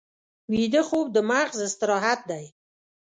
ویده خوب د مغز استراحت دی